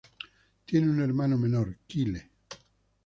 Tiene un hermano menor, Kyle.